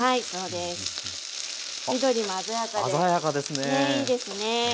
ねえいいですね。